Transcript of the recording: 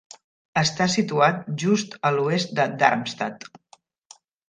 Està situat just a l'oest de Darmstadt.